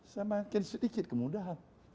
semakin sedikit kemudahan